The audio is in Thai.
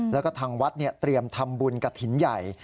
แล้วก็ทางวัดเตรียมทำบุญกระถิ่นใหญ่